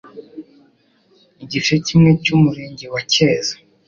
Igice kimwe cy'Umurenge wa Cyeza